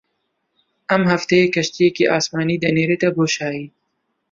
ئەم هەفتەیە کەشتییەکی ئاسمانی دەنێرێتە بۆشایی